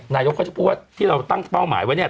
นายกเขาจะพูดว่าที่เราตั้งเป้าหมายไว้เนี่ย